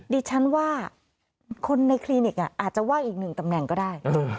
ดิฉันว่าคนในคลินิกอาจจะว่างอีกหนึ่งตำแหน่งก็ได้